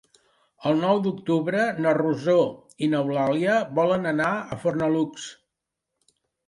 El nou d'octubre na Rosó i n'Eulàlia volen anar a Fornalutx.